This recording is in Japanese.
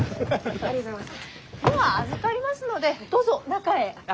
ありがとうございます！